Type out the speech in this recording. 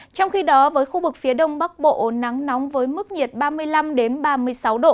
trong khi đó với khu vực phía đông bắc bộ nắng nóng với mức nhiệt ba mươi năm ba mươi sáu độ